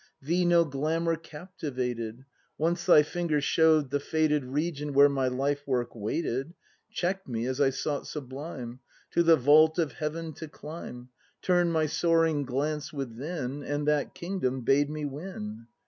Thee no glamour captivated — Once thy finger show'd the fated Region where my life work waited, Check'd me, as I sought sublime, To the vault of heaven to climb, Turn'd my soaring glance within, And that kingdom bade me win.